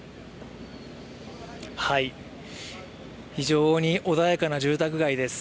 非常に穏やかな住宅街です。